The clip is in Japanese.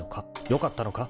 よかったのか？